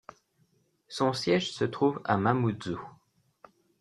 Son siège se trouve à Mamoudzou.